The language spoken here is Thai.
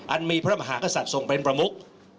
มีพระมหากษัตริย์ทรงเป็นประมุก